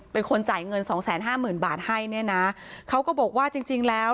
เป็นคนจ่ายเงินสองแสนห้าหมื่นบาทให้เนี่ยนะเขาก็บอกว่าจริงจริงแล้ว